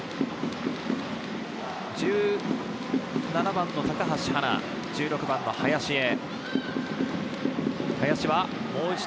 １７番の高橋はな、１６番の林へ。